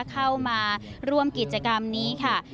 เข้ามาร่วมกิจกรรมนี้ค่ะ